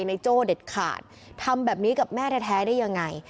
ในโจ้เด็ดขาดทำแบบนี้กับแม่แท้ได้ยังไง